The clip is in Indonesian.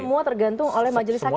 semua tergantung oleh majelis hakim